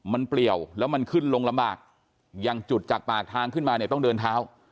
มันเปลี่ยวแล้วมันขึ้นลงลำบากอย่างจุดจากปากทางขึ้นมาเนี่ยต้องเดินเท้า